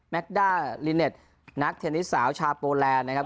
ด้าลิเน็ตนักเทนนิสสาวชาวโปแลนด์นะครับ